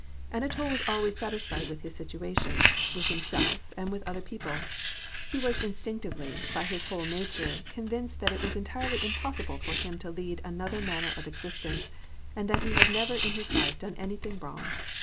Anatol was always satisfied with his situation, with himself and with other people. He was instinctively, by his whole nature, convinced that it was entirely impossible for him to lead another manner of existence, and that he had never in his life done anything wrong.